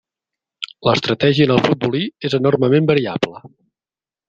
L'estratègia en el futbolí és enormement variable.